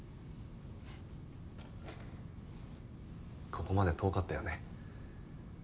ここまで遠かったよね。